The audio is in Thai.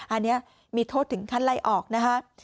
อันนี้มีโทษถึงขั้นไล่ออกนะคะ